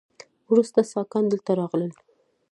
وروسته ساکان دلته راغلل